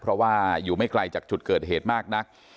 เพราะว่าอยู่ไม่ไกลจากจุดเกิดเหตุมากนัก